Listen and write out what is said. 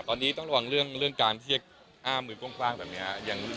ตอนนี้ต้องระวังเรื่องการที่จะอ้ามือกว้างแบบนี้